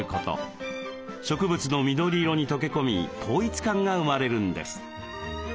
植物の緑色に溶け込み統一感が生まれるんです。